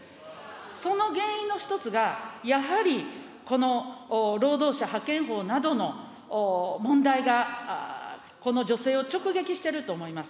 その原因の一つが、やはりこの労働者派遣法などの問題が、この女性を直撃してると思います。